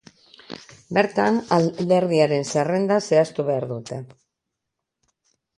Bertan alderdiaren zerrenda zehaztu behar dute.